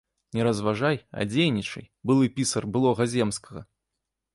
Не разважай, а дзейнічай, былы пісар былога земскага!